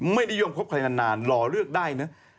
ไม่ได้ย่อมพบใครนานหล่อเลือกได้เนอะ